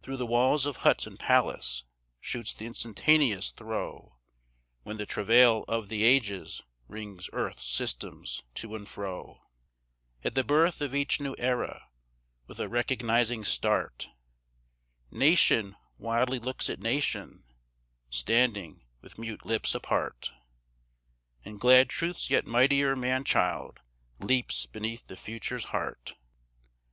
Through the walls of hut and palace shoots the instantaneous throe, When the travail of the Ages wrings earth's systems to and fro; At the birth of each new Era, with a recognizing start, Nation wildly looks at nation, standing with mute lips apart, And glad Truth's yet mightier man child leaps beneath the Future's heart.